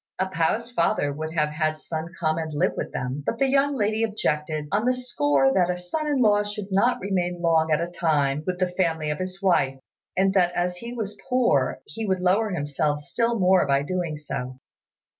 A pao's father would have had Sun come and live with them; but the young lady objected, on the score that a son in law should not remain long at a time with the family of his wife, and that as he was poor he would lower himself still more by doing so.